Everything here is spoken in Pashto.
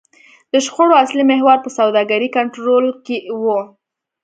د شخړو اصلي محور پر سوداګرۍ کنټرول و.